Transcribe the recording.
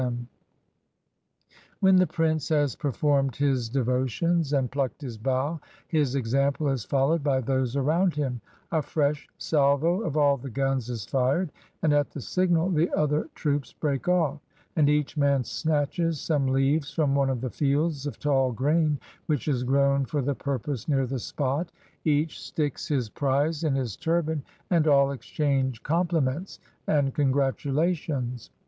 174 INDIAN CUSTOMS AND MANNERS IN 1840 When the prince has performed his devotions and plucked his bough, his example is followed by those around him: a fresh salvo of all the guns is fired, and at the signal, the other troops break off, and each man snatches some leaves from one of the fields of tall grain which is grown for the purpose near the spot: each sticks his prize in his turban, and all exchange compliments and congratulations.